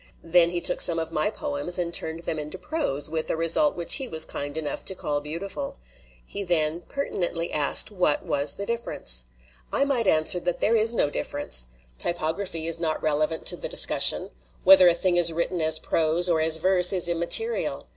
Then he took some of my poems and turned them into prose, with a result which he was kind enough to call beautiful. He then pertinently asked what was the difference. "I might answer that there is no difference. 259 LITERATURE IN THE MAKING Typography is not relevant to the discussion. Whether a thing is written as prose or as verse is immaterial.